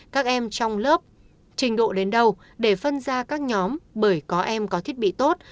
các em trong lớp trình độ đến đâu để phân ra các nhóm bởi có em có thiết bị tốt